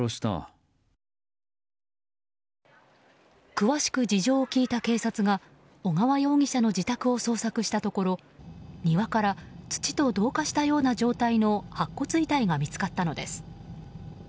詳しく事情を聴いた警察が小川容疑者の自宅を捜索したところ庭から土と同化したような状態の白骨遺体が見つかったのです。